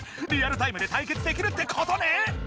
リアルタイムでたいけつできるってことね。